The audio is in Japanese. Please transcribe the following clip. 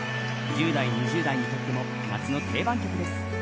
１０代、２０代にとっても夏の定番曲です。